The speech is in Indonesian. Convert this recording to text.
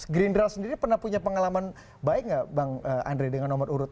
gerindra sendiri pernah punya pengalaman baik nggak bang andre dengan nomor urut